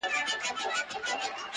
دا هم له تا جار دی!! اې وطنه زوروره!!